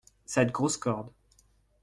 Cette grosse corde.